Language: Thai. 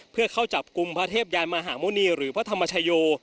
เพื่อเข้าจับกลุ่มพระเทพยานมหาหมุณีหรือพระธรรมชโย